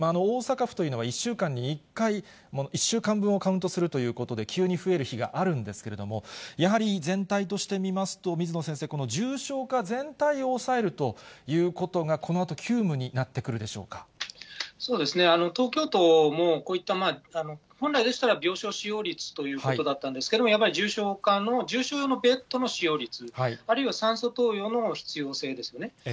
大阪府というのは、１週間に１回、１週間分をカウントするということで、急に増える日があるんですけれども、やはり全体として見ますと、水野先生、重症化全体を抑えるということが、このあと急務になってくるでしょそうですね、東京都も、こういった、本来でしたら、病床使用率ということだったんですけど、やっぱり重症化の、重症用のベッドの使用率、あるいは酸素投与の必要性ですね。